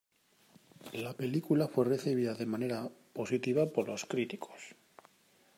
La película fue recibida de manera positiva por los críticos.